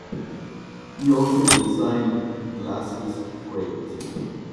He also designed glasses frames.